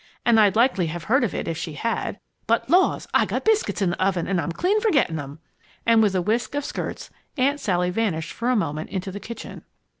And I'd likely have heard of it if she had. But, laws! I got biscuits in the oven and I'm clean forgetting them!" And with a whisk of skirts, Aunt Sally vanished for a moment into the kitchen.